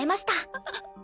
あっ。